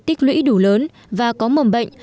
tích lũy đủ lớn và có mầm bệnh